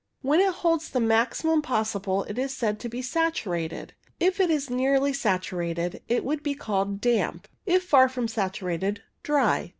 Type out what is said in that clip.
When it holds the maximum possible it is said to be saturated. If it is nearly saturated it would be called damp ; if far from saturated, dry.